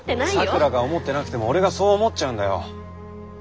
咲良が思ってなくても俺がそう思っちゃうんだよ。